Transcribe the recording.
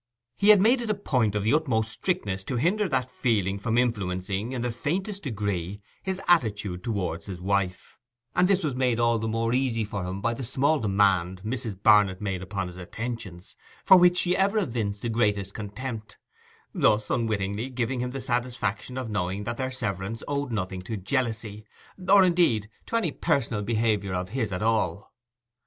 He had made it a point of the utmost strictness to hinder that feeling from influencing in the faintest degree his attitude towards his wife; and this was made all the more easy for him by the small demand Mrs. Barnet made upon his attentions, for which she ever evinced the greatest contempt; thus unwittingly giving him the satisfaction of knowing that their severance owed nothing to jealousy, or, indeed, to any personal behaviour of his at all.